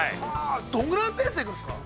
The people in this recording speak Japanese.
◆どんぐらいのペースで行くんですか。